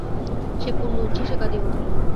সে পূর্ণ উচ্ছ্বাসে কাঁদিয়া উঠিল।